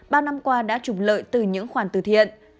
bao năm qua đã trục lợi từ những khoản từ thiện